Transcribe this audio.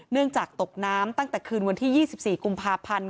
จากตกน้ำตั้งแต่คืนวันที่๒๔กุมภาพันธ์